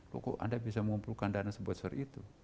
loh kok anda bisa mengumpulkan dana sebesar itu